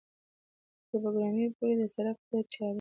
تر بګرامیو پورې د سړک قیر چارې